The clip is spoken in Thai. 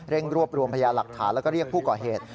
รวบรวมพยาหลักฐานแล้วก็เรียกผู้ก่อเหตุ